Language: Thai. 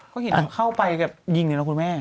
ก็เห็นเข้าไปแบบยิงอยู่แล้วคุณแม่